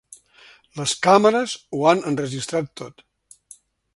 Les càmeres ho han enregistrat tot.